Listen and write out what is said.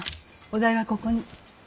お代はここに。